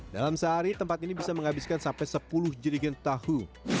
dalam sehari tempat ini bisa menghabiskan sampai sepuluh jirigen tahu